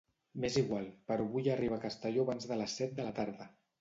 Més igual, però vull arribar a Castelló abans de les set de la tarda.